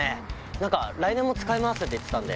なんか来年も使い回すって言ってたんで。